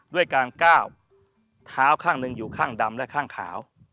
ด้วยการก้าวเท้าข้างหนึ่งอยู่ข้างดำและข้างขาว